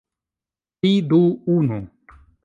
Tri... du... unu...